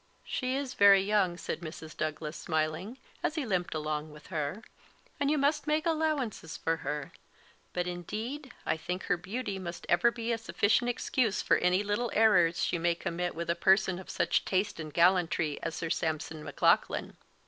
"She is very young," said Mrs. Douglas, smiling, as he limped along with her, "and you must make allowances for her; but, indeed, I think her beauty must ever be a sufficient excuse for any little errors she may commit with a person of such taste and gallantry as Sir Sampson Maclaughlan."